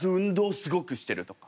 すごくしてるとか？